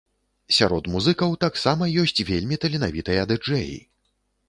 Сярод музыкаў таксама ёсць вельмі таленавітыя ды-джэі.